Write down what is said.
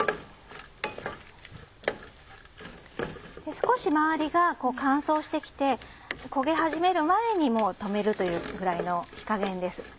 少し周りが乾燥して来て焦げ始める前に止めるというぐらいの火加減です。